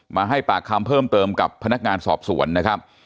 มาให้ปากคำเพิ่มเติมกับพนักงานสอบสวนนะครับ